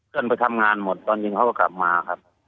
กันไปทำงานหมดตอนเย็นเขาก็กลับมาครับ